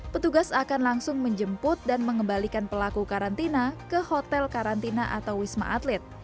petugas akan langsung menjemput dan mengembalikan pelaku karantina ke hotel karantina atau wisma atlet